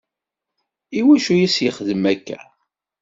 I wacu i as-yexdem akka?